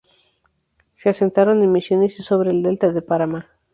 Se asentaron en Misiones y sobre el Delta del Paraná.